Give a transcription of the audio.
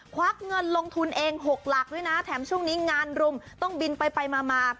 ควักเงินลงทุนเอง๖หลักด้วยนะแถมช่วงนี้งานรุมต้องบินไปมา